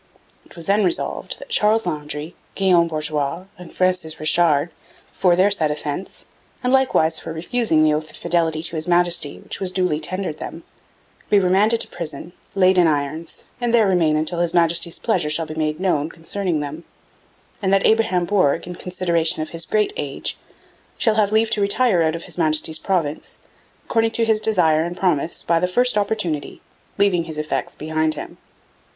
It was then resolved: 'That Charles Landry, Guillaume Bourgois and Francis Richard, for their said offence, and likewise for refusing the oath of fidelity to His Majesty which was duly tendered them, be remanded to prison, laid in irons, and there remain until His Majesty's pleasure shall be made known concerning them, and that Abraham Bourg, in consideration of his great age, shall have leave to retire out of this His Majesty's Province, according to his desire and promise, by the first opportunity, leaving his effects behind him.'